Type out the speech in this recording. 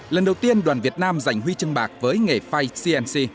lần đầu tiên đoàn việt nam giành huy chương bạc với nghề fai cnc